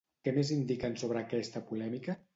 Què més indiquen sobre aquesta polèmica?